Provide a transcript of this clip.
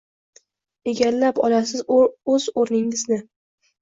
Egallab olasiz o’z o’rningizni!